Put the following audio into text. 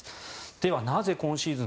では、なぜ今シーズン